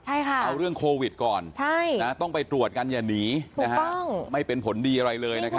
เอาเรื่องโควิดก่อนต้องไปตรวจกันอย่าหนีไม่เป็นผลดีอะไรเลยนะครับ